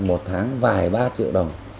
một tháng vài ba triệu đồng